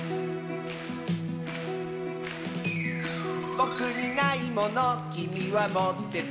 「ぼくにないものきみはもってて」